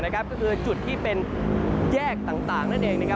ก็คือจุดที่เป็นแยกต่างนั่นเองนะครับ